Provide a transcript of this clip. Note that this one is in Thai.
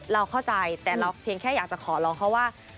เราเข้าใจแต่เราเพียงแค่อยากจะขอร้องเขาว่า